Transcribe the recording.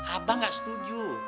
abang gak setuju